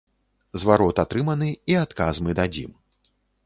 Зварот атрыманы, і адказ мы дадзім.